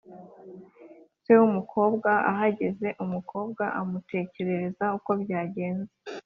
se w’umukobwa ahageze, umukobwa amutekerereza uko byagenze,